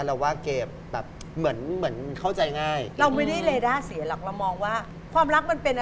โลกมันกว้างขึ้น